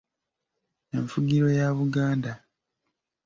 Enfugiro ya Buganda